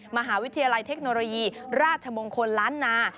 มหาวิทยาลัยเทคโนโลยีราชมงคลล้านนา